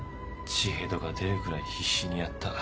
血ヘどが出るぐらい必死にやった。